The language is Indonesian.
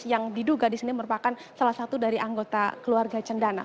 yang diduga di sini merupakan salah satu dari anggota keluarga cendana